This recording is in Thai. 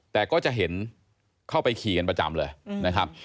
แต่ก็จะเห็นเข้าไปขี่กันประจำเลยนะครับ